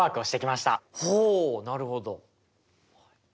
ほうなるほど。